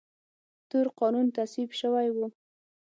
تور قانون تصویب شوی و.